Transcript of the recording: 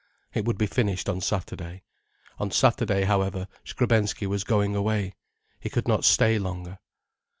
It would be finished on Saturday. On Saturday, however, Skrebensky was going away. He could not stay any longer.